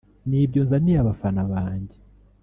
ni byo nzaniye abafana banjye